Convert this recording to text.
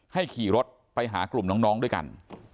ขี่รถไปหากลุ่มน้องด้วยกัน